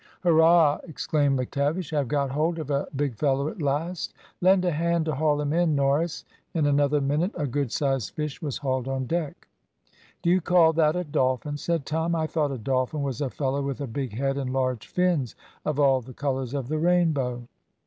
"Hurrah!" exclaimed McTavish, "I have got hold of a big fellow at last. Lend a hand to haul him in, Norris." In another minute a good sized fish was hauled on deck. "Do you call that a dolphin?" said Tom. "I thought a dolphin was a fellow with a big head and large fins, of all the colours of the rainbow."